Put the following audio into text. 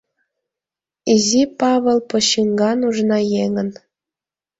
Изи Павыл почиҥга нужна еҥын